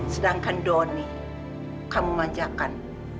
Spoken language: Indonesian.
sedangkan doni kamu manjakan